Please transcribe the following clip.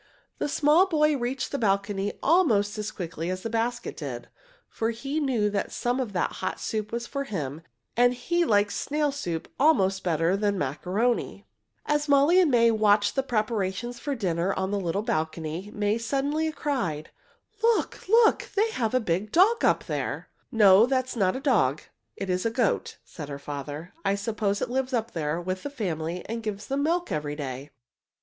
The small boy reached the balcony almost as quickly as the basket did, for he knew that some of that hot soup was for him, and he liked snail soup almost better than macaroni. [Illustration: One woman stood on an iron balcony, lowered a basket by a long rope] As Molly and May watched the preparations for dinner on the little balcony, May suddenly cried, "Look! Look! They have a big dog up there!" "No, that is not a dog, it is a goat," said her father. "I suppose it lives up there with the family and gives them milk every day.